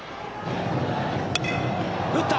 打った！